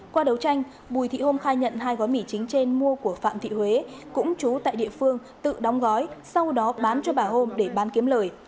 qua đấu tranh bùi thị hôm khai nhận hai gói mì chính trên mua của phạm thị huế cũng chú tại địa phương tự đóng gói sau đó bán cho bà hôm để bán kiếm lời